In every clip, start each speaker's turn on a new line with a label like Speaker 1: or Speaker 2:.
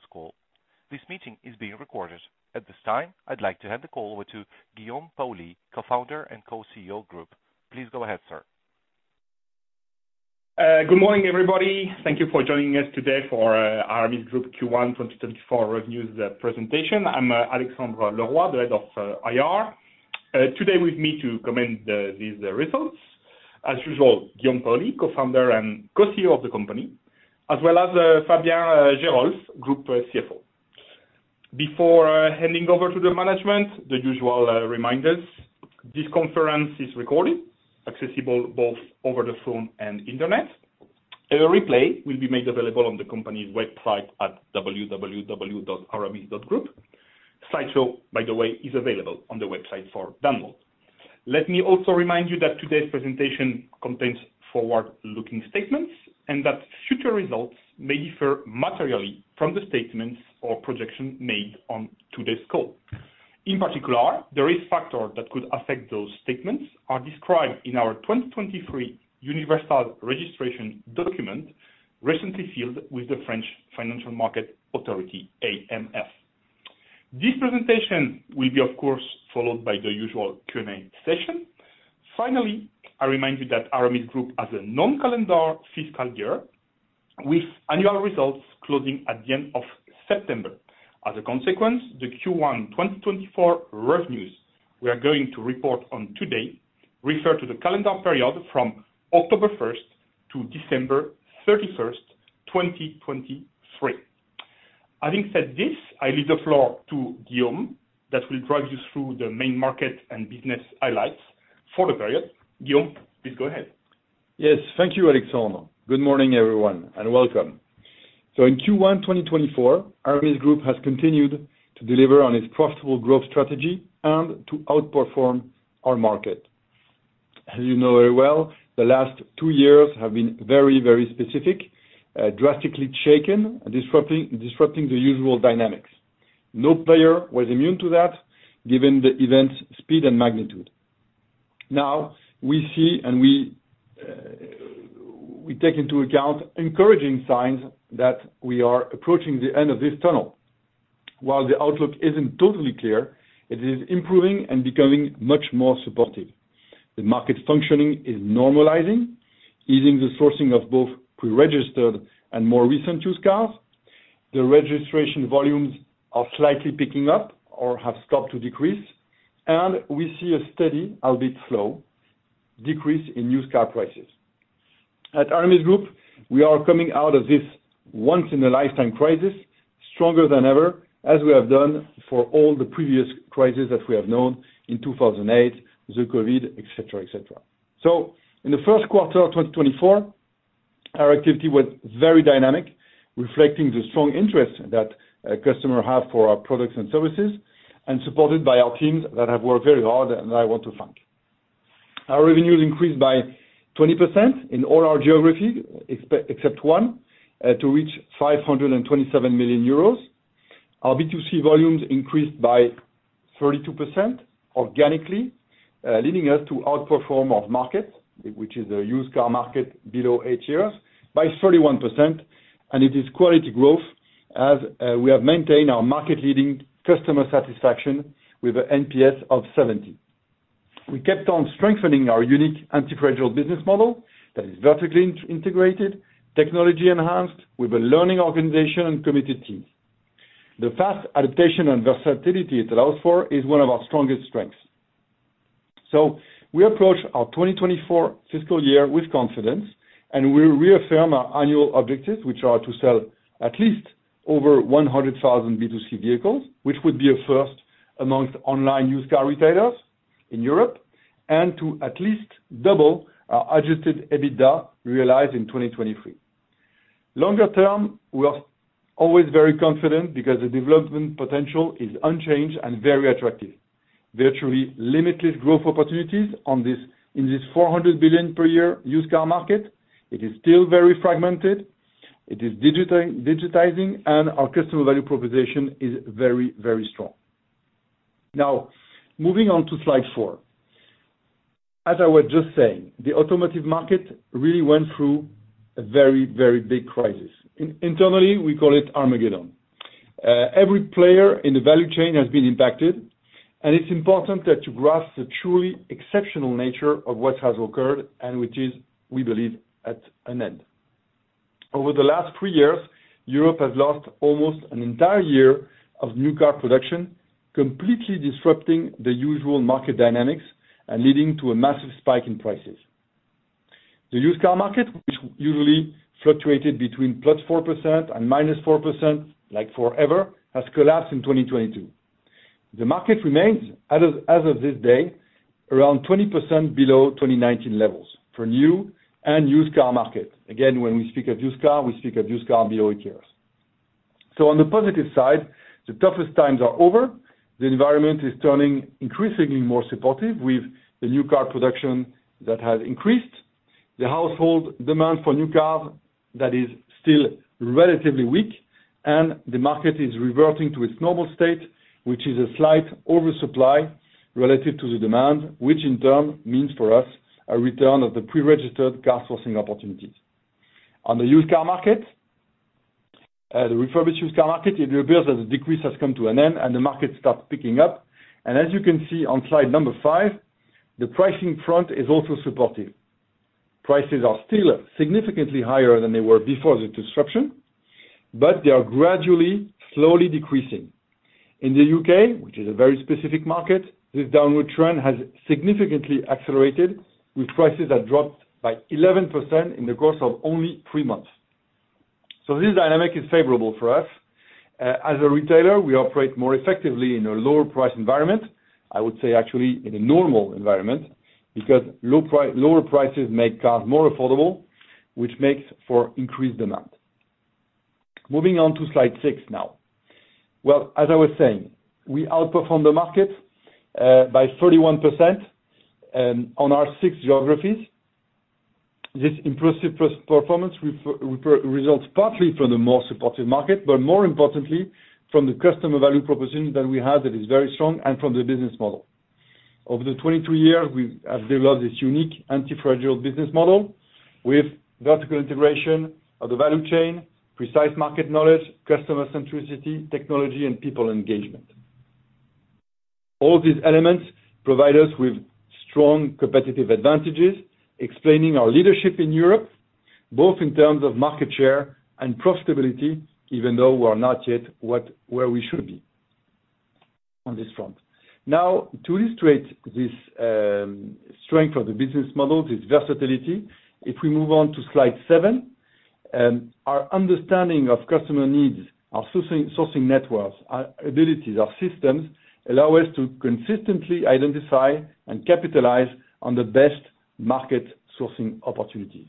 Speaker 1: Conference call. This meeting is being recorded. At this time, I'd like to hand the call over to Guillaume Paoli, co-founder and co-CEO Group. Please go ahead, sir.
Speaker 2: Good morning, everybody. Thank you for joining us today for Aramis Group Q1 2024 revenues presentation. I'm Alexandre Leroy, the head of IR. Today with me to comment the these results, as usual, Guillaume Paoli, co-founder and co-CEO of the company, as well as Fabien Geerolf, Group CFO. Before handing over to the management, the usual reminders. This conference is recorded, accessible both over the phone and internet. A replay will be made available on the company's website at www.aramis.group. Slideshow, by the way, is available on the website for download. Let me also remind you that today's presentation contains forward-looking statements, and that future results may differ materially from the statements or projections made on today's call. In particular, the risk factor that could affect those statements are described in our 2023 Universal Registration Document, recently filed with the French Financial Market Authority, AMF. This presentation will be, of course, followed by the usual Q&A session. Finally, I remind you that Aramis Group has a non-calendar fiscal year, with annual results closing at the end of September. As a consequence, the Q1 2024 revenues we are going to report on today refer to the calendar period from October 1st to December 31st, 2023. Having said this, I leave the floor to Guillaume, that will drive you through the main market and business highlights for the period. Guillaume, please go ahead.
Speaker 3: Yes. Thank you, Alexandre. Good morning, everyone, and welcome. So in Q1 2024, Aramis Group has continued to deliver on its profitable growth strategy and to outperform our market. As you know very well, the last two years have been very, very specific, drastically shaken, disrupting the usual dynamics. No player was immune to that, given the event's speed and magnitude. Now, we see and we take into account encouraging signs that we are approaching the end of this tunnel. While the outlook isn't totally clear, it is improving and becoming much more supportive. The market functioning is normalizing, easing the sourcing of both pre-registered and more recent used cars. The registration volumes are slightly picking up or have stopped to decrease, and we see a steady, albeit slow, decrease in used car prices. At Aramis Group, we are coming out of this once-in-a-lifetime crisis stronger than ever, as we have done for all the previous crises that we have known in 2008, the COVID, etc. So in the first quarter of 2024, our activity was very dynamic, reflecting the strong interest that a customer have for our products and services, and supported by our teams that have worked very hard and I want to thank. Our revenues increased by 20% in all our geographies, except one, to reach 527 million euros. Our B2C volumes increased by 32% organically, leading us to outperform our market, which is a used car market below 8 years, by 31%, and it is quality growth, as we have maintained our market-leading customer satisfaction with a NPS of 70. We kept on strengthening our unique entrepreneurial business model that is vertically integrated, technology enhanced, with a learning organization and committed teams. The fast adaptation and versatility it allows for is one of our strongest strengths. So we approach our 2024 fiscal year with confidence, and we reaffirm our annual objectives, which are to sell at least over 100,000 B2C vehicles, which would be a first amongst online used car retailers in Europe, and to at least double our Adjusted EBITDA realized in 2023. Longer term, we are always very confident because the development potential is unchanged and very attractive. Virtually limitless growth opportunities on this, in this 400 billion per year used car market. It is still very fragmented, it is digitizing, and our customer value proposition is very, very strong. Now, moving on to slide four. As I was just saying, the automotive market really went through a very, very big crisis. Internally, we call it Armageddon. Every player in the value chain has been impacted, and it's important that you grasp the truly exceptional nature of what has occurred and which is, we believe, at an end. Over the last three years, Europe has lost almost an entire year of new car production, completely disrupting the usual market dynamics and leading to a massive spike in prices. The used car market, which usually fluctuated between +4% and -4%, like forever, has collapsed in 2022. The market remains, as of this day, around 20% below 2019 levels for new and used car markets. Again, when we speak of used car, we speak of used car below eight years. So on the positive side, the toughest times are over. The environment is turning increasingly more supportive with the new car production that has increased, the household demand for new cars that is still relatively weak, and the market is reverting to its normal state, which is a slight oversupply... relative to the demand, which in turn means for us, a return of the pre-registered car sourcing opportunities. On the used car market, the refurbished used car market, it appears that the decrease has come to an end, and the market starts picking up. And as you can see on slide number five, the pricing front is also supportive. Prices are still significantly higher than they were before the disruption, but they are gradually, slowly decreasing. In the UK, which is a very specific market, this downward trend has significantly accelerated, with prices that dropped by 11% in the course of only three months. So this dynamic is favorable for us. As a retailer, we operate more effectively in a lower price environment. I would say actually in a normal environment, because lower prices make cars more affordable, which makes for increased demand. Moving on to slide six now. Well, as I was saying, we outperformed the market by 31%, on our six geographies. This impressive performance results partly from the more supportive market, but more importantly, from the customer value proposition that we have that is very strong and from the business model. Over the 22 years, we have developed this unique anti-fragile business model with vertical integration of the value chain, precise market knowledge, customer centricity, technology, and people engagement. All these elements provide us with strong competitive advantages, explaining our leadership in Europe, both in terms of market share and profitability, even though we are not yet what, where we should be on this front. Now, to illustrate this strength of the business model, this versatility, if we move on to slide seven, our understanding of customer needs, our sourcing, sourcing networks, our abilities, our systems, allow us to consistently identify and capitalize on the best market sourcing opportunities.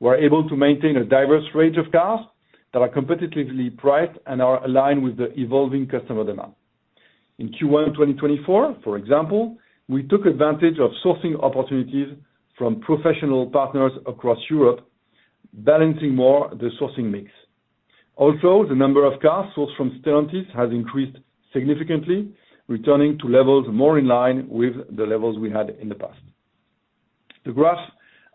Speaker 3: We're able to maintain a diverse range of cars that are competitively priced and are aligned with the evolving customer demand. In Q1 2024, for example, we took advantage of sourcing opportunities from professional partners across Europe, balancing more the sourcing mix. Also, the number of cars sourced from Stellantis has increased significantly, returning to levels more in line with the levels we had in the past. The graph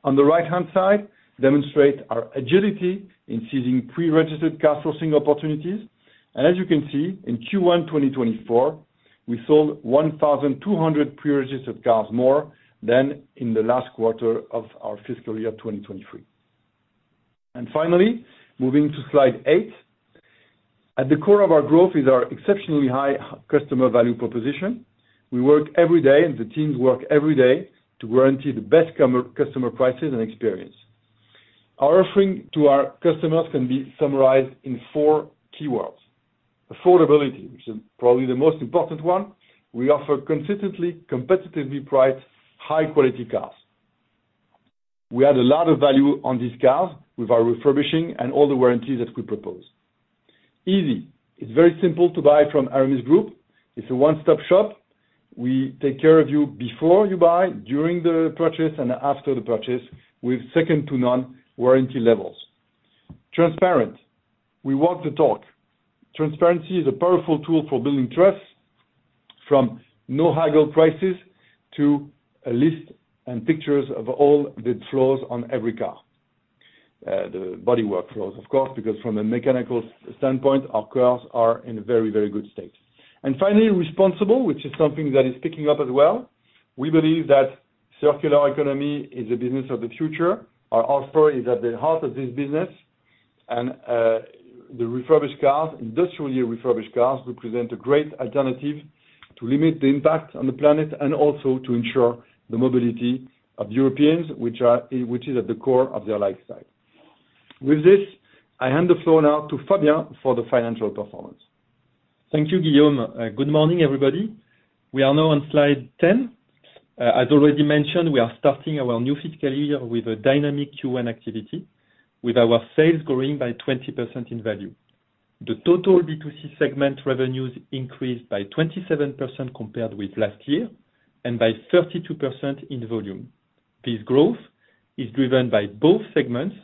Speaker 3: on the right-hand side demonstrate our agility in seizing pre-registered car sourcing opportunities. As you can see, in Q1 2024, we sold 1,200 pre-registered cars more than in the last quarter of our fiscal year, 2023. Finally, moving to slide 8. At the core of our growth is our exceptionally high customer value proposition. We work every day, and the teams work every day to guarantee the best customer prices and experience. Our offering to our customers can be summarized in four keywords: affordability, which is probably the most important one. We offer consistently, competitively priced, high-quality cars. We add a lot of value on these cars with our refurbishing and all the warranties that we propose. Easy. It's very simple to buy from Aramis Group. It's a one-stop shop. We take care of you before you buy, during the purchase, and after the purchase, with second-to-none warranty levels. Transparent. We walk the talk. Transparency is a powerful tool for building trust, from no-haggle prices to a list and pictures of all the flaws on every car. The bodywork flaws, of course, because from a mechanical standpoint, our cars are in a very, very good state. And finally, responsible, which is something that is picking up as well. We believe that circular economy is the business of the future. Our offer is at the heart of this business, and the refurbished cars, industrially refurbished cars, represent a great alternative to limit the impact on the planet and also to ensure the mobility of Europeans, which is at the core of their lifestyle. With this, I hand the floor now to Fabien for the financial performance.
Speaker 4: Thank you, Guillaume. Good morning, everybody. We are now on slide 10. As already mentioned, we are starting our new fiscal year with a dynamic Q1 activity, with our sales growing by 20% in value. The total B2C segment revenues increased by 27% compared with last year and by 32% in volume. This growth is driven by both segments,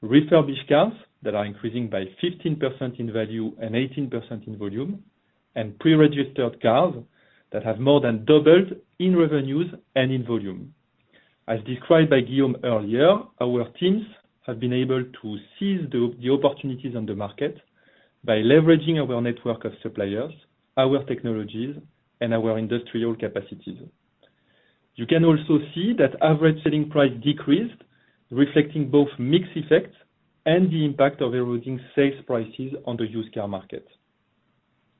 Speaker 4: refurbished cars that are increasing by 15% in value and 18% in volume, and pre-registered cars that have more than doubled in revenues and in volume. As described by Guillaume earlier, our teams have been able to seize the opportunities on the market by leveraging our network of suppliers, our technologies, and our industrial capacities. You can also see that average selling price decreased, reflecting both mix effects and the impact of eroding sales prices on the used car market.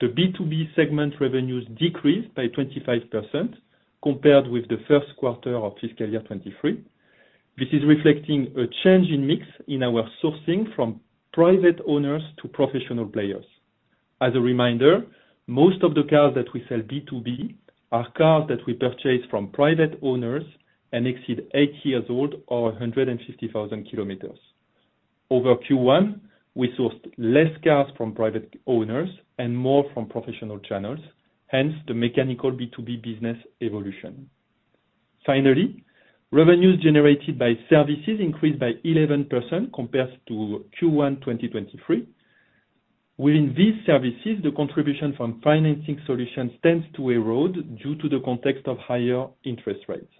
Speaker 4: The B2B segment revenues decreased by 25% compared with the first quarter of fiscal year 2023. This is reflecting a change in mix in our sourcing from private owners to professional players. As a reminder, most of the cars that we sell B2B are cars that we purchase from private owners and exceed eight years old or 150,000 kilometers. Over Q1, we sourced less cars from private owners and more from professional channels, hence the mechanical B2B business evolution. Finally, revenues generated by services increased by 11% compared to Q1 2023. Within these services, the contribution from financing solutions tends to erode due to the context of higher interest rates.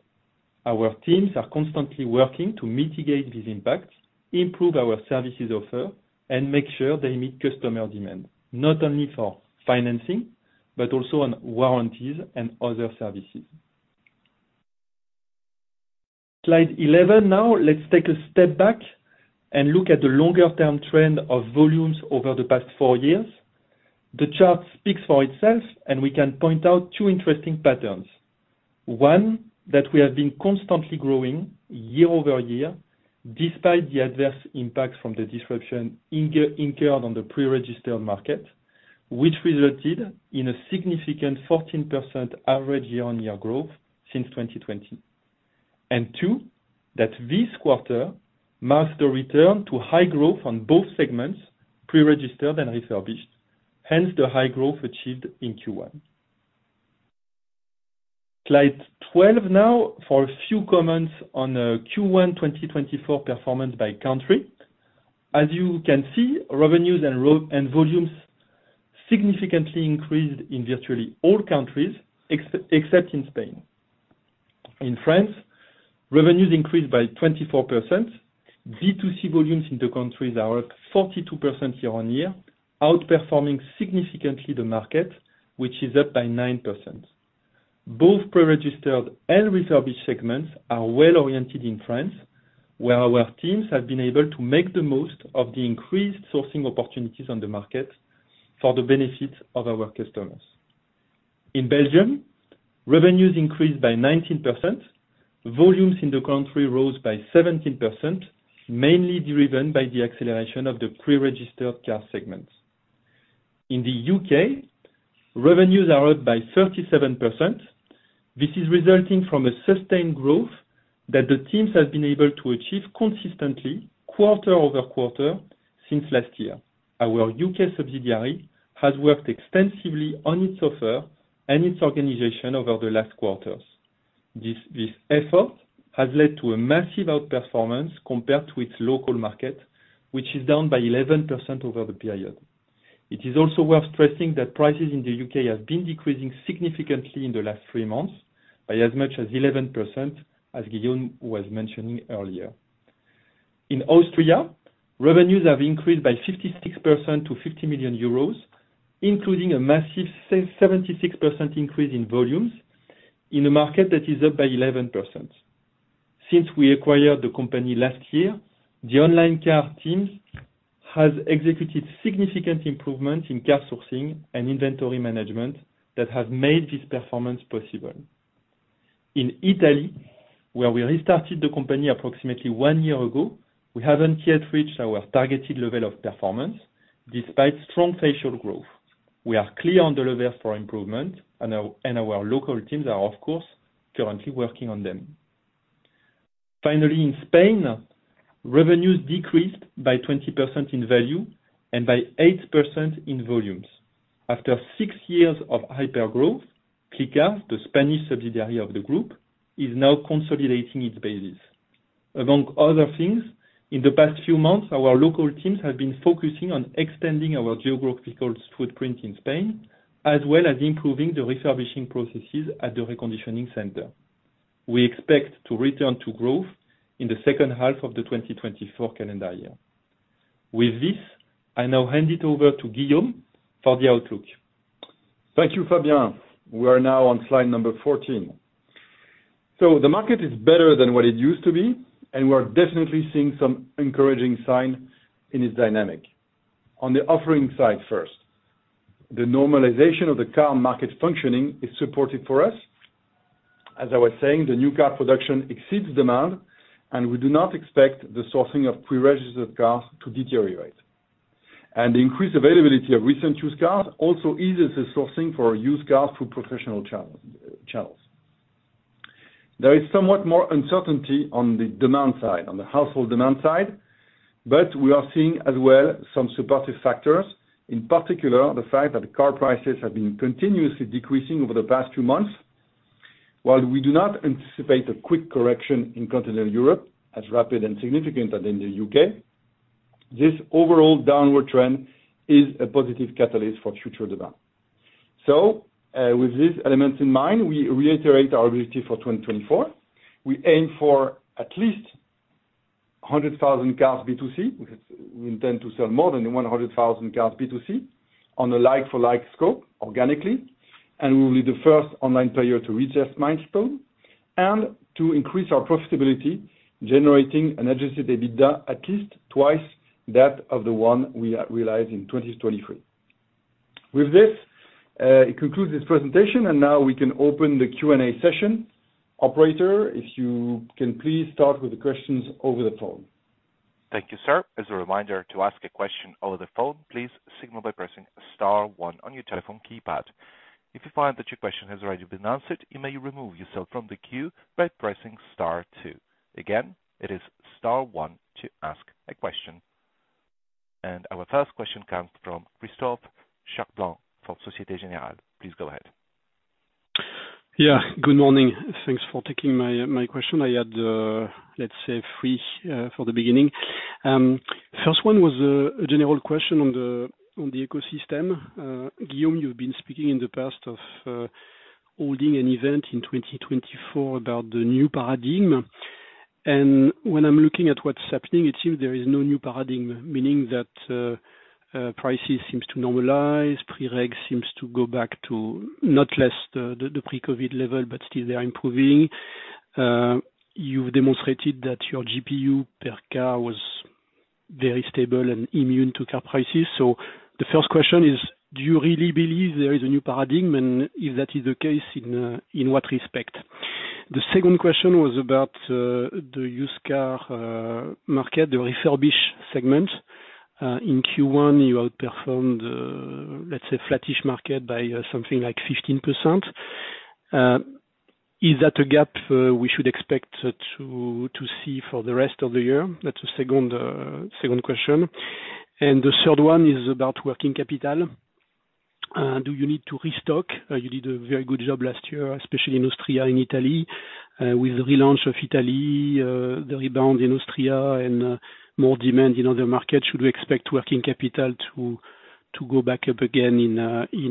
Speaker 4: Our teams are constantly working to mitigate these impacts, improve our services offer, and make sure they meet customer demand, not only for financing, but also on warranties and other services. Slide 11 now. Let's take a step back and look at the longer term trend of volumes over the past four years. The chart speaks for itself, and we can point out two interesting patterns. One, that we have been constantly growing year-over-year, despite the adverse impacts from the disruption incurred on the pre-registered market, which resulted in a significant 14% average year-on-year growth since 2020. And two, that this quarter marks the return to high growth on both segments, pre-registered and refurbished, hence the high growth achieved in Q1. Slide 12 now for a few comments on Q1 2024 performance by country. As you can see, revenues and volumes significantly increased in virtually all countries, except in Spain. In France, revenues increased by 24%. B2C volumes in the country are up 42% year-on-year, outperforming significantly the market, which is up by 9%. Both pre-registered and refurbished segments are well oriented in France, where our teams have been able to make the most of the increased sourcing opportunities on the market for the benefit of our customers. In Belgium, revenues increased by 19%. Volumes in the country rose by 17%, mainly driven by the acceleration of the pre-registered car segments. In the UK, revenues are up by 37%. This is resulting from a sustained growth that the teams have been able to achieve consistently, quarter-over-quarter, since last year. Our UK subsidiary has worked extensively on its offer and its organization over the last quarters. This, this effort has led to a massive outperformance compared to its local market, which is down by 11% over the period. It is also worth stressing that prices in the UK have been decreasing significantly in the last three months, by as much as 11%, as Guillaume was mentioning earlier. In Austria, revenues have increased by 56% to 50 million euros, including a massive seventy-six percent increase in volumes, in a market that is up by 11%. Since we acquired the company last year, the online car teams has executed significant improvement in car sourcing and inventory management that have made this performance possible. In Italy, where we restarted the company approximately one year ago, we haven't yet reached our targeted level of performance, despite strong sales growth. We are clear on the levels for improvement, and our local teams are, of course, currently working on them. Finally, in Spain, revenues decreased by 20% in value and by 8% in volumes. After six years of hypergrowth, Clicars, the Spanish subsidiary of the group, is now consolidating its bases. Among other things, in the past few months, our local teams have been focusing on extending our geographical footprint in Spain, as well as improving the refurbishing processes at the reconditioning center. We expect to return to growth in the second half of the 2024 calendar year. With this, I now hand it over to Guillaume for the outlook.
Speaker 3: Thank you, Fabien. We are now on slide number 14. So the market is better than what it used to be, and we are definitely seeing some encouraging sign in its dynamic. On the offering side first, the normalization of the car market functioning is supportive for us. As I was saying, the new car production exceeds demand, and we do not expect the sourcing of pre-registered cars to deteriorate. And the increased availability of recent used cars also eases the sourcing for used cars through professional channel, channels. There is somewhat more uncertainty on the demand side, on the household demand side, but we are seeing as well some supportive factors, in particular, the fact that car prices have been continuously decreasing over the past few months. While we do not anticipate a quick correction in continental Europe as rapid and significant as in the UK, this overall downward trend is a positive catalyst for future demand. So, with these elements in mind, we reiterate our ability for 2024. We aim for at least 100,000 cars, B2C, because we intend to sell more than 100,000 cars, B2C, on a like-for-like scope, organically, and we will be the first online player to reach this milestone and to increase our profitability, generating an Adjusted EBITDA at least twice that of the one we, realized in 2023. With this, it concludes this presentation, and now we can open the Q&A session. Operator, if you can please start with the questions over the phone.
Speaker 1: Thank you, sir. As a reminder, to ask a question over the phone, please signal by pressing star one on your telephone keypad. If you find that your question has already been answered, you may remove yourself from the queue by pressing star two. Again, it is star one to ask a question. Our first question comes from Christophe Cherblanc from Société Générale. Please go ahead.
Speaker 5: Yeah, good morning. Thanks for taking my, my question. I had, let's say, three, for the beginning. First one was, a general question on the, on the ecosystem. Guillaume, you've been speaking in the past of, holding an event in 2024 about the new paradigm. And when I'm looking at what's happening, it seems there is no new paradigm, meaning that, prices seems to normalize, pre-reg seems to go back to not less the, the, the pre-COVID level, but still they are improving. You've demonstrated that your GPU per car was very stable and immune to car prices. So the first question is, do you really believe there is a new paradigm? And if that is the case, in, in what respect? The second question was about, the used car, market, the refurbished segment. In Q1, you outperformed, let's say, flattish market by something like 15%. Is that a gap we should expect to see for the rest of the year? That's the second second question. And the third one is about working capital. Do you need to restock? You did a very good job last year, especially in Austria and Italy. With the relaunch of Italy, the rebound in Austria and more demand in other markets, should we expect working capital to go back up again in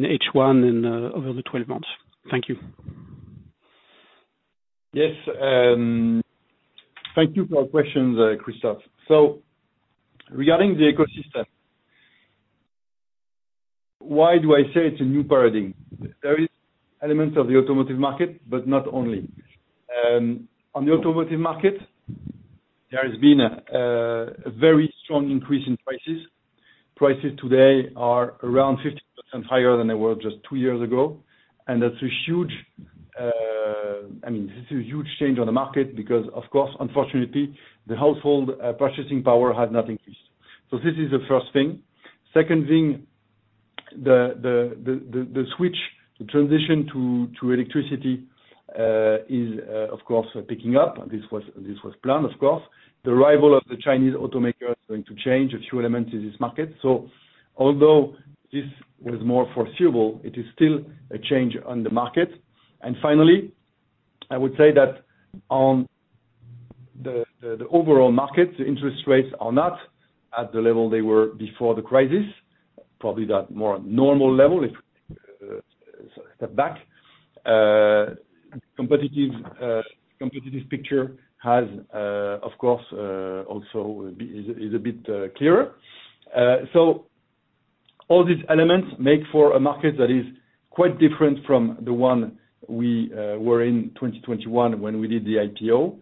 Speaker 5: H1 and over the twelve months? Thank you.
Speaker 3: Yes, thank you for your questions, Christophe. So regarding the ecosystem, why do I say it's a new paradigm? There is elements of the automotive market, but not only. On the automotive market, there has been a very strong increase in prices. Prices today are around 50% higher than they were just two years ago, and that's a huge, I mean, this is a huge change on the market because, of course, unfortunately, the household purchasing power has not increased. So this is the first thing. Second thing, the switch, the transition to electricity is, of course, picking up. This was planned, of course. The arrival of the Chinese automakers is going to change a few elements in this market. Although this was more foreseeable, it is still a change on the market. Finally, I would say that on the overall market, the interest rates are not at the level they were before the crisis. Probably that more normal level, if we step back. The competitive picture has, of course, also been a bit clearer. So all these elements make for a market that is quite different from the one we were in 2021 when we did the IPO.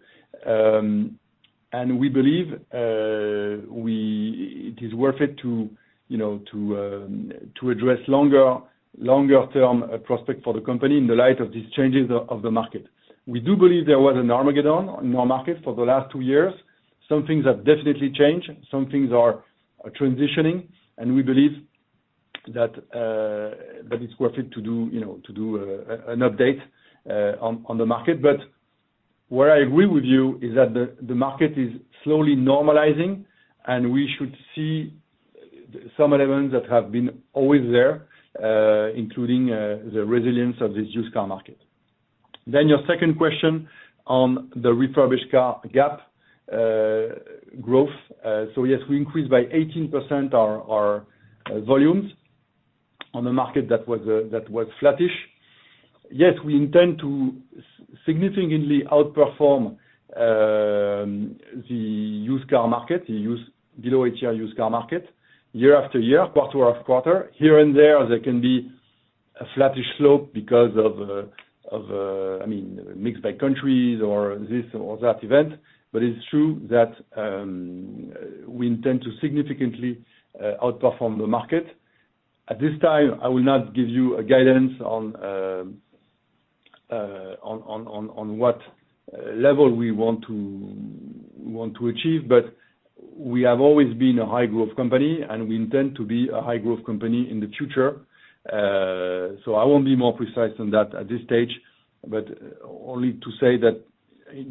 Speaker 3: And we believe it is worth it to, you know, to address longer-term prospects for the company in the light of these changes of the market. We do believe there was an Armageddon in our market for the last two years. Some things have definitely changed, some things are transitioning, and we believe that it's worth it to do, you know, to do an update on the market. But where I agree with you, is that the market is slowly normalizing, and we should see some elements that have been always there, including the resilience of this used car market. Then your second question on the refurbished car gap, growth. So yes, we increased by 18% our volumes on the market that was flattish. Yes, we intend to significantly outperform the used car market, the used, below HR used car market, year after year, quarter after quarter. Here and there, there can be a flattish slope because of, I mean, mixed by countries or this or that event, but it's true that we intend to significantly outperform the market. At this time, I will not give you a guidance on what level we want to, we want to achieve, but we have always been a high growth company, and we intend to be a high growth company in the future. So I won't be more precise on that at this stage, but only to say that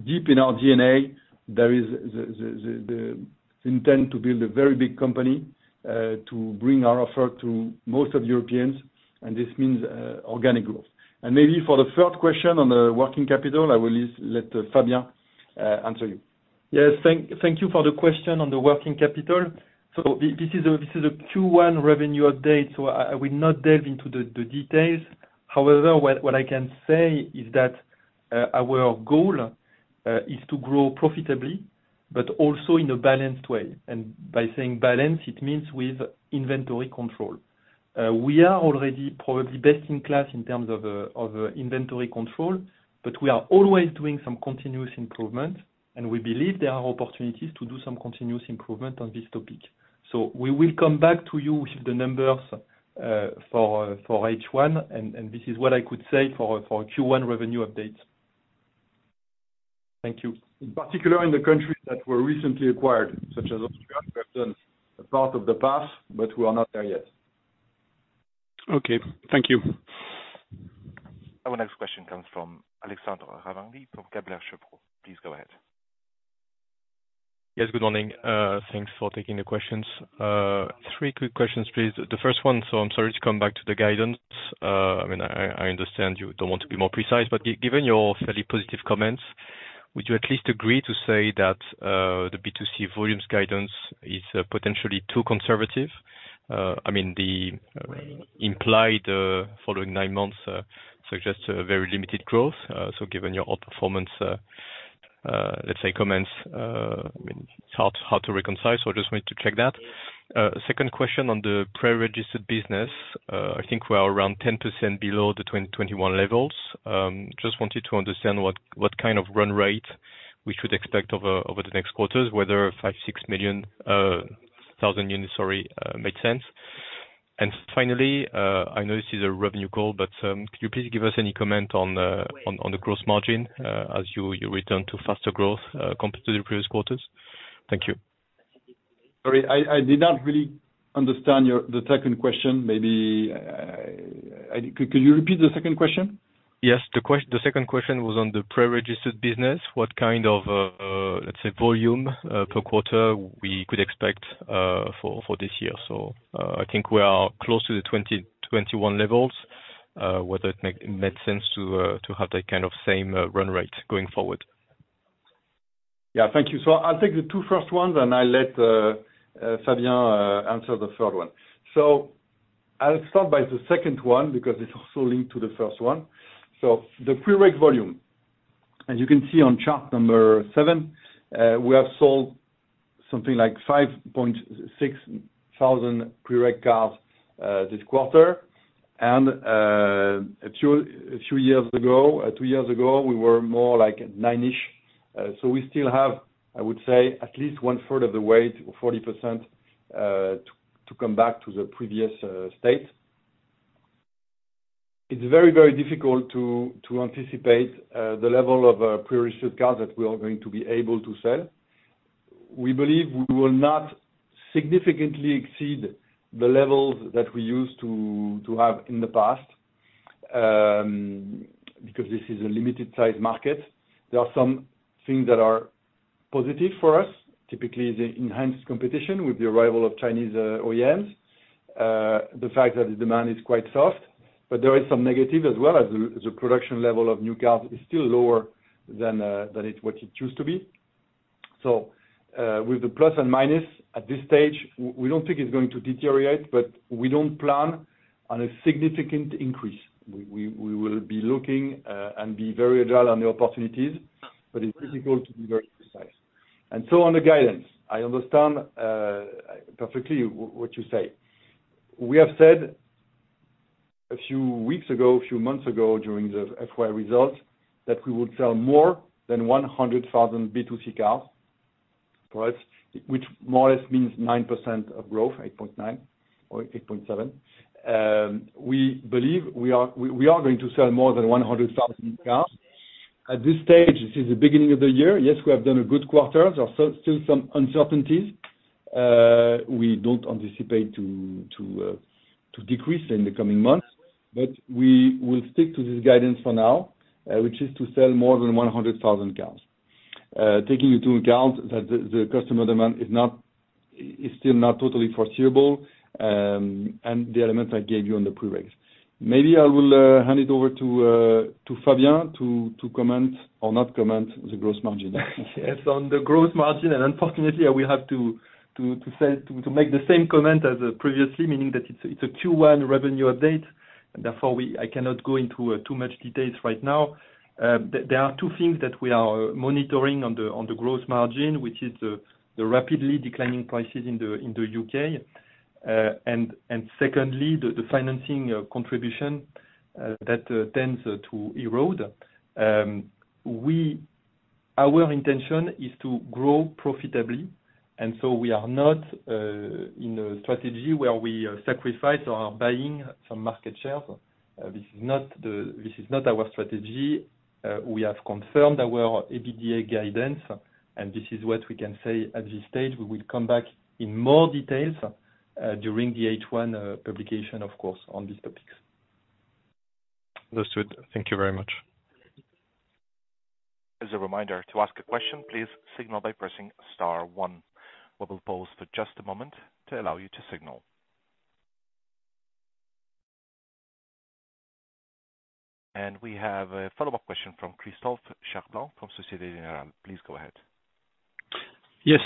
Speaker 3: deep in our DNA, there is the intent to build a very big company, to bring our offer to most of Europeans, and this means organic growth. And maybe for the third question on the working capital, I will just let Fabien answer you.
Speaker 4: Yes, thank you for the question on the working capital. So this is a Q1 revenue update, so I will not delve into the details. However, what I can say is that our goal is to grow profitably, but also in a balanced way. And by saying balanced, it means with inventory control. We are already probably best in class in terms of inventory control, but we are always doing some continuous improvement, and we believe there are opportunities to do some continuous improvement on this topic. So we will come back to you with the numbers for H1, and this is what I could say for Q1 revenue updates. Thank you.
Speaker 3: In particular, in the countries that were recently acquired, such as Austria, we have done a part of the path, but we are not there yet.
Speaker 5: Okay, thank you.
Speaker 1: Our next question comes from Alexandre Raverdy, from Kepler Cheuvreux. Please go ahead.
Speaker 6: Yes, good morning. Thanks for taking the questions. Three quick questions, please. The first one, so I'm sorry to come back to the guidance. I mean, I understand you don't want to be more precise, but given your fairly positive comments, would you at least agree to say that the B2C volumes guidance is potentially too conservative? I mean, the implied following nine months suggests a very limited growth. So given your outperformance, let's say comments, I mean, it's hard to reconcile, so I just wanted to check that. Second question on the pre-registered business, I think we are around 10% below the 2021 levels. Just wanted to understand what kind of run rate we should expect over the next quarters, whether five, six million thousand units, sorry, make sense. Finally, I know this is a revenue call, but could you please give us any comment on the gross margin as you return to faster growth compared to the previous quarters? Thank you.
Speaker 3: Sorry, I did not really understand your, the second question. Maybe, could you repeat the second question?
Speaker 6: Yes. The second question was on the pre-registered business. What kind of, let's say, volume per quarter we could expect for this year? So, I think we are close to the 2021 levels, whether it makes sense to have that kind of same run rate going forward.
Speaker 3: Yeah. Thank you. So I'll take the two first ones, and I'll let Fabien answer the third one. So I'll start by the second one, because it's also linked to the first one. So the pre-reg volume, as you can see on chart number seven, we have sold something like 5,600 pre-reg cars this quarter. And a few years ago, two years ago, we were more like 9,000-ish. So we still have, I would say, at least 1/3 of the way to 40%, to come back to the previous state. It's very, very difficult to anticipate the level of pre-registered cars that we are going to be able to sell. We believe we will not significantly exceed the levels that we used to, to have in the past, because this is a limited size market. There are some things that are positive for us, typically, the enhanced competition with the arrival of Chinese OEMs. The fact that the demand is quite soft, but there is some negative as well, as the production level of new cars is still lower than, than it, what it used to be. So, with the plus and minus, at this stage, we don't think it's going to deteriorate, but we don't plan on a significant increase. We will be looking, and be very agile on the opportunities, but it's difficult to be very precise. And so on the guidance, I understand perfectly what you say. We have said a few weeks ago, a few months ago, during the FY results, that we would sell more than 100,000 B2C cars for us, which more or less means 9% of growth, 8.9% or 8.7%. We believe we are going to sell more than 100,000 cars. At this stage, this is the beginning of the year. Yes, we have done a good quarter. There are still some uncertainties. We don't anticipate to decrease in the coming months, but we will stick to this guidance for now, which is to sell more than 100,000 cars. Taking into account that the customer demand is still not totally foreseeable, and the elements I gave you on the pre-regs. Maybe I will hand it over to Fabien to comment or not comment the gross margin.
Speaker 4: Yes, on the growth margin, and unfortunately, I will have to say to make the same comment as previously, meaning that it's a two-one revenue update, and therefore I cannot go into too much details right now. There are two things that we are monitoring on the growth margin, which is the rapidly declining prices in the U.K. And secondly, the financing contribution that tends to erode. Our intention is to grow profitably, and so we are not in a strategy where we sacrifice or are buying some market share. This is not our strategy. We have confirmed our EBITDA guidance, and this is what we can say at this stage. We will come back in more details during the H1 publication, of course, on these topics.
Speaker 6: Understood. Thank you very much.
Speaker 1: As a reminder, to ask a question, please signal by pressing star one. We will pause for just a moment to allow you to signal. We have a follow-up question from Christophe Cherblanc from Société Générale. Please go ahead.
Speaker 5: Yes,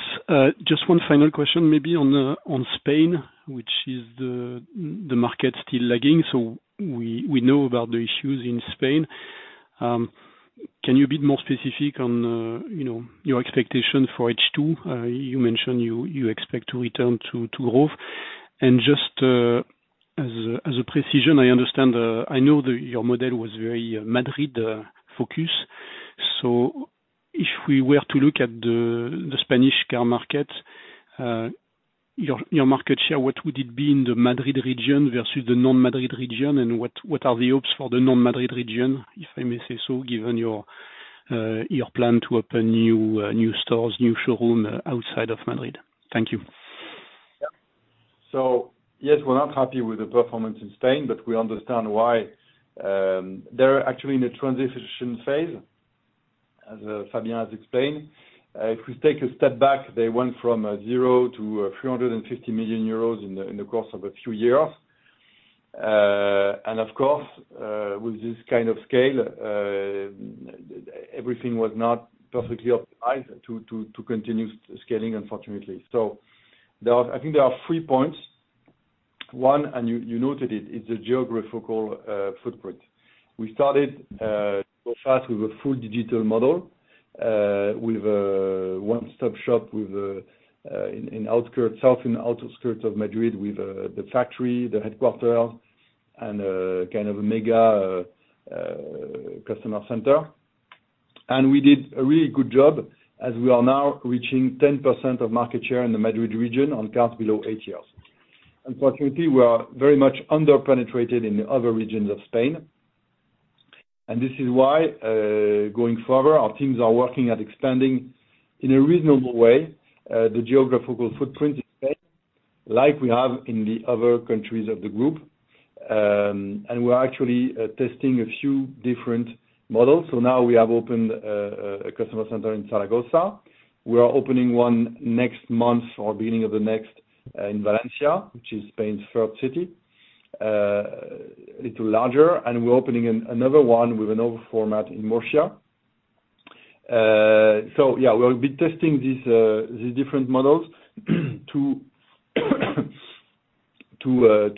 Speaker 5: just one final question maybe on, on Spain, which is the market still lagging. So we know about the issues in Spain. Can you be more specific on, you know, your expectation for H2? You mentioned you expect to return to growth. And just, as a precision, I understand, I know that your model was very, Madrid, focused. So if we were to look at the Spanish car market, your market share, what would it be in the Madrid region versus the non-Madrid region? And what are the hopes for the non-Madrid region, if I may say so, given your plan to open new stores, new showroom, outside of Madrid? Thank you.
Speaker 3: So yes, we're not happy with the performance in Spain, but we understand why. They're actually in a transition phase, as Fabien has explained. If we take a step back, they went from zero to 350 million euros in the course of a few years. Of course, with this kind of scale, everything was not perfectly optimized to continue scaling, unfortunately. There are, I think there are three points. One, and you noted it, is the geographical footprint. We started to go fast with a full digital model, with one-stop shop, with in the outskirts south of Madrid, with the factory, the headquarters, and kind of a mega customer center. And we did a really good job, as we are now reaching 10% of market share in the Madrid region on cars below €10,000. Unfortunately, we are very much under-penetrated in the other regions of Spain, and this is why, going forward, our teams are working at expanding in a reasonable way the geographical footprint in Spain, like we have in the other countries of the group. And we're actually testing a few different models. So now we have opened a customer center in Zaragoza. We are opening one next month or beginning of the next in Valencia, which is Spain's third city, little larger. And we're opening another one with another format in Murcia. So yeah, we'll be testing these different models to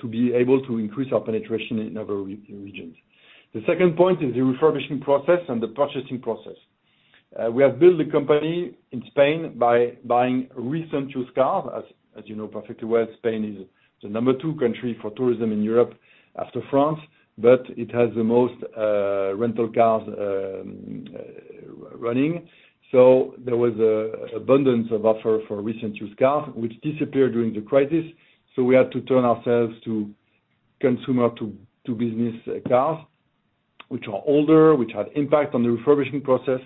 Speaker 3: be able to increase our penetration in other regions. The second point is the refurbishing process and the purchasing process. We have built the company in Spain by buying recent used cars. As you know perfectly well, Spain is the number two country for tourism in Europe after France, but it has the most rental cars running. So there was an abundance of offer for recent used cars, which disappeared during the crisis, so we had to turn ourselves to consumer to business cars, which are older, which had impact on the refurbishing process,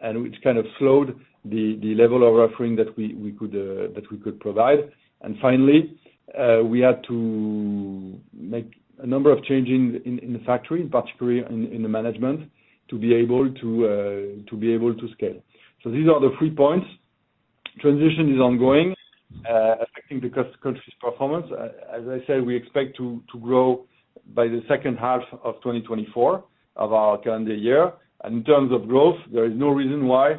Speaker 3: and which kind of slowed the level of offering that we could provide. And finally, we had to make a number of changes in the factory, particularly in the management, to be able to scale. So these are the three points. Transition is ongoing, affecting the country's performance. As I said, we expect to grow by the second half of 2024, of our calendar year. And in terms of growth, there is no reason why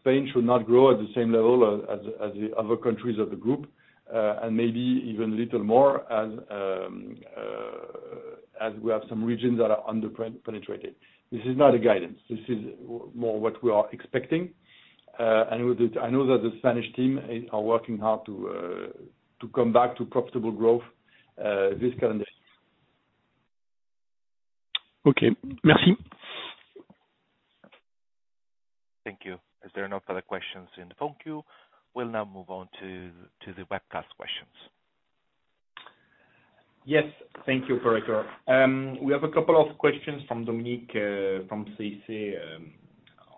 Speaker 3: Spain should not grow at the same level as the other countries of the group, and maybe even a little more as we have some regions that are underpenetrated. This is not a guidance, this is more what we are expecting. And I know that the Spanish team are working hard to come back to profitable growth, this calendar.
Speaker 5: Okay. Merci.
Speaker 1: Thank you. As there are no further questions in the phone queue, we'll now move on to the webcast questions.
Speaker 2: Yes, thank you, operator. We have a couple of questions from Dominique from CC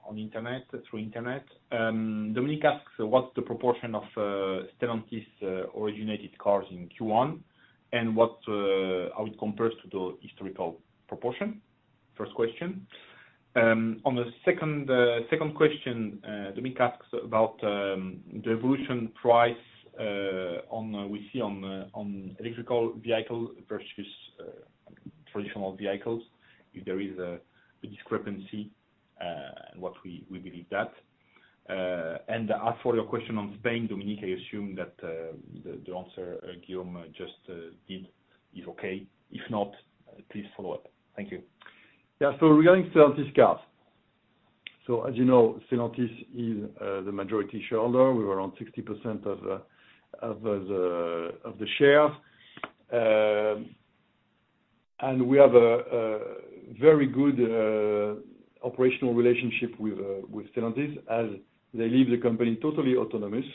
Speaker 2: online through internet. Dominique asks, "What's the proportion of Stellantis originated cars in Q1, and what how it compares to the historical proportion?" First question. On the second question, Dominique asks about the evolution price on electric vehicles versus traditional vehicles, if there is a discrepancy, and what we believe that. And as for your question on Spain, Dominique, I assume that the answer Guillaume just did is okay. If not, please follow up. Thank you.
Speaker 3: Yeah, so regarding Stellantis cars, so as you know, Stellantis is the majority shareholder. We were around 60% of the shares. And we have a very good operational relationship with Stellantis, as they leave the company totally autonomous,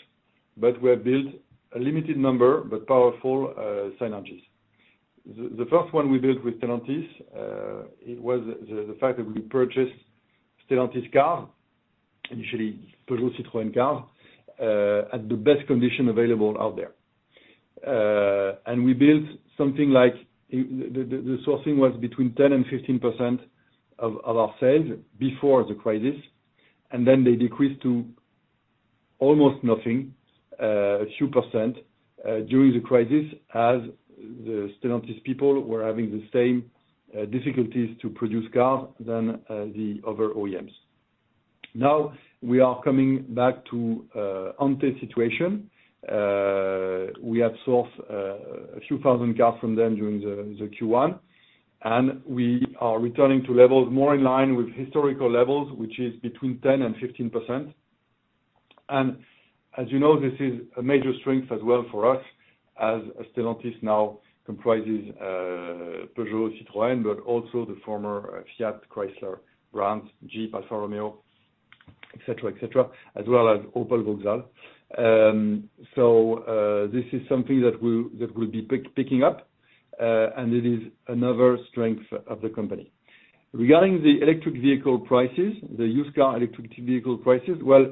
Speaker 3: but we have built a limited number, but powerful synergies. The first one we built with Stellantis, it was the fact that we purchased Stellantis car, initially Peugeot Citroën car, at the best condition available out there. And we built something like the sourcing was between 10% and 15% of our sales before the crisis, and then they decreased to almost nothing, a few percent, during the crisis, as the Stellantis people were having the same difficulties to produce cars than the other OEMs. Now, we are coming back to antes situation. We have sourced a few thousand cars from them during the Q1, and we are returning to levels more in line with historical levels, which is between 10 and 15%. And as you know, this is a major strength as well for us, as Stellantis now comprises Peugeot, Citroën, but also the former Fiat Chrysler brands, Jeep, Alfa Romeo, etc, as well as Opel Vauxhall. So, this is something that we, that we'll be picking up, and it is another strength of the company. Regarding the electric vehicle prices, the used car electric vehicle prices, well,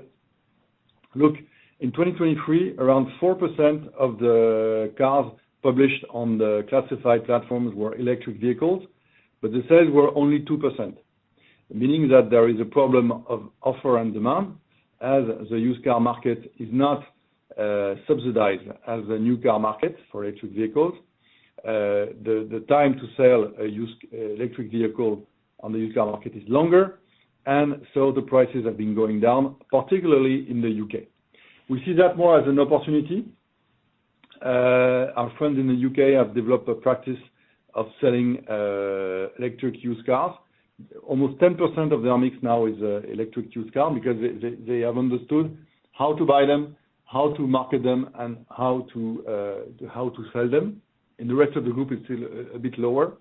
Speaker 3: look, in 2023, around 4% of the cars published on the classified platforms were electric vehicles, but the sales were only 2%, meaning that there is a problem of offer and demand, as the used car market is not subsidized as a new car market for electric vehicles. The time to sell a used electric vehicle on the used car market is longer, and so the prices have been going down, particularly in the UK. We see that more as an opportunity. Our friends in the UK have developed a practice of selling electric used cars. Almost 10% of their mix now is electric used car, because they have understood how to buy them, how to market them, and how to sell them. In the rest of the group, it's still a bit lower.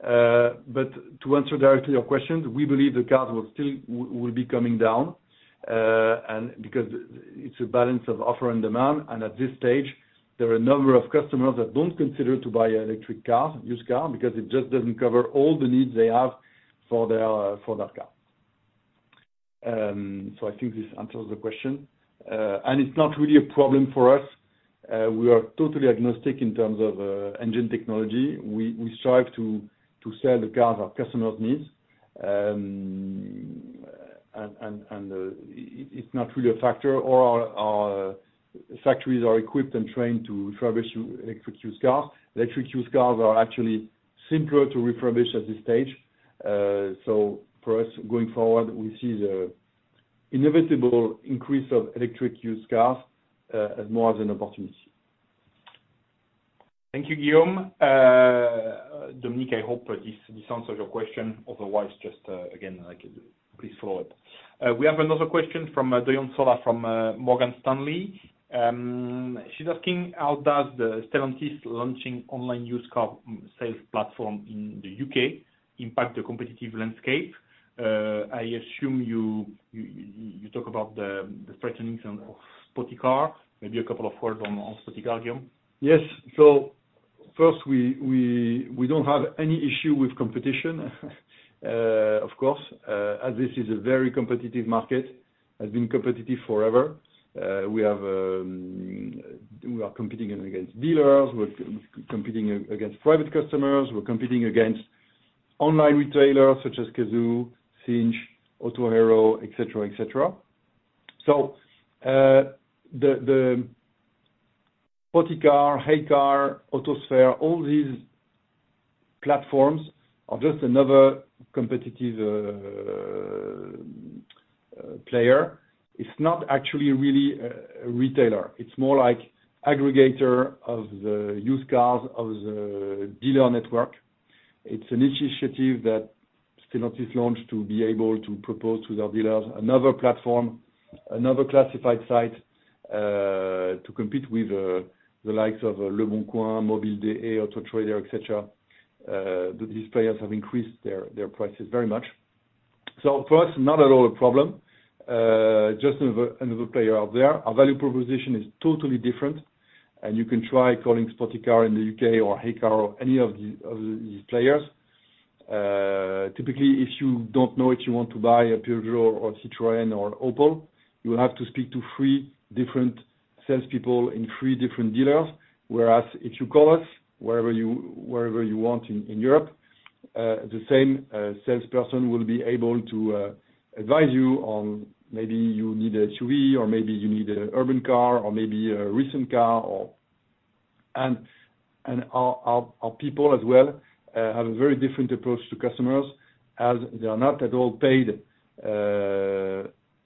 Speaker 3: But to answer directly your question, we believe the cars will still be coming down, and because it's a balance of offer and demand, and at this stage, there are a number of customers that don't consider to buy an electric car, used car, because it just doesn't cover all the needs they have for their that car. So I think this answers the question. And it's not really a problem for us. We are totally agnostic in terms of engine technology. We strive to sell the cars our customers needs. It's not really a factor. All our factories are equipped and trained to refurbish electric used cars. Electric used cars are actually simpler to refurbish at this stage. So for us, going forward, we see the inevitable increase of electric used cars as more as an opportunity.
Speaker 2: Thank you, Guillaume. Dominique, I hope this answers your question, otherwise, just again, I can please follow up. We have another question from Giulia Sola, from Morgan Stanley. She's asking: How does the Stellantis launching online used car sales platform in the UK impact the competitive landscape? I assume you talk about the threats of Spoticar. Maybe a couple of words on Spoticar, Guillaume.
Speaker 3: Yes. So first, we don't have any issue with competition, of course, as this is a very competitive market, has been competitive forever. We are competing against dealers, we're competing against private customers, we're competing against online retailers such as Cazoo, Cinch, Autohero, etc. So, Spoticar, Heycar, Autosphere, all these platforms are just another competitive player. It's not actually really a retailer. It's more like aggregator of the used cars, of the dealer network. It's an initiative that Stellantis launched to be able to propose to their dealers another platform, another classified site, to compete with, the likes of Leboncoin, Mobile.de, Auto Trader, etc. That these players have increased their prices very much. So for us, not at all a problem, just another player out there. Our value proposition is totally different, and you can try calling Spoticar in the UK or Heycar or any of these players. Typically, if you don't know if you want to buy a Peugeot or Citroën or Opel, you have to speak to three different salespeople in three different dealers. Whereas if you call us, wherever you want in Europe, the same salesperson will be able to advise you on maybe you need an SUV or maybe you need an urban car or maybe a recent car or, And our people as well have a very different approach to customers, as they are not at all paid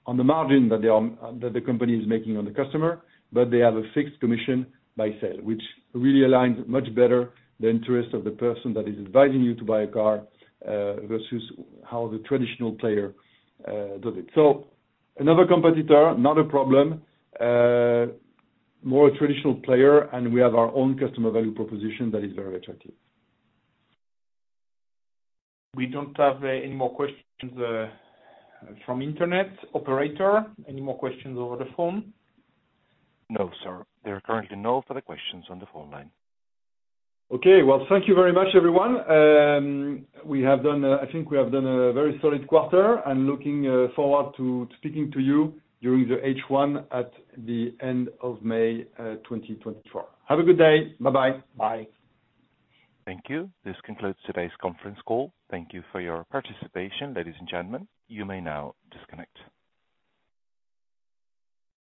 Speaker 3: on the margin that they are that the company is making on the customer. But they have a fixed commission by sale, which really aligns much better the interest of the person that is advising you to buy a car versus how the traditional player does it. So another competitor, not a problem, more a traditional player, and we have our own customer value proposition that is very attractive.
Speaker 2: We don't have any more questions from internet. Operator, any more questions over the phone?
Speaker 1: No, sir. There are currently no further questions on the phone line.
Speaker 3: Okay. Well, thank you very much, everyone. We have done, I think we have done a very solid quarter. I'm looking forward to speaking to you during the H1 at the end of May 2024. Have a good day. Bye-bye.
Speaker 2: Bye.
Speaker 1: Thank you. This concludes today's conference call. Thank you for your participation, ladies and gentlemen. You may now disconnect.